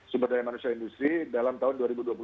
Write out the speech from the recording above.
sumber daya manusia industri dalam tahun